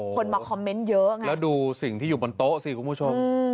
คนมาคอมเมนต์เยอะไงแล้วดูสิ่งที่อยู่บนโต๊ะสิคุณผู้ชม